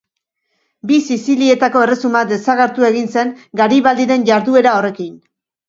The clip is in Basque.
Bi Sizilietako Erresuma desagertu egin zen Garibaldiren jarduera horrekin.